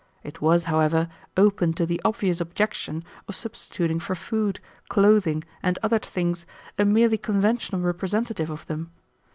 It was, however, open to the obvious objection of substituting for food, clothing, and other things a merely conventional representative of them.